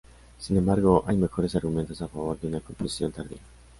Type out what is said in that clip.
Sin embargo, hay mejores argumentos a favor de una composición tardía.